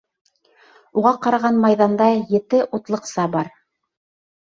Уға ҡараған майҙанда ете утлыҡса бар.